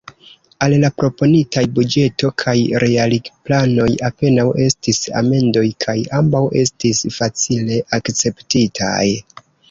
Al la proponitaj buĝeto kaj realigplanoj apenaŭ estis amendoj, kaj ambaŭ estis facile akceptitaj.